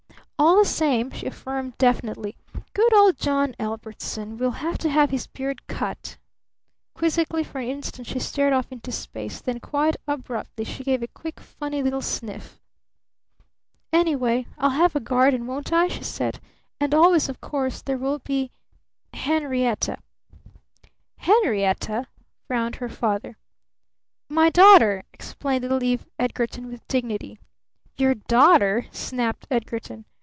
All the same," she affirmed definitely, "good old John Ellbertson will have to have his beard cut." Quizzically for an instant she stared off into space, then quite abruptly she gave a quick, funny little sniff. "Anyway, I'll have a garden, won't I?" she said. "And always, of course, there will be Henrietta." "Henrietta?" frowned her father. "My daughter!" explained little Eve Edgarton with dignity. "Your daughter?" snapped Edgarton.